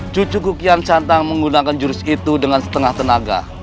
cucu kukian santang menggunakan jurus itu dengan setengah tenaga